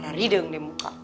serah rideng deh muka